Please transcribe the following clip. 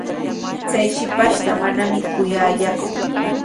Chay shipashtaqa manami kuyallaaku.